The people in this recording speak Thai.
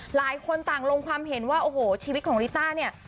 หลายคนต่างลงความเห็นว่าโอ้โหชีวิตของลิต้าเนี่ย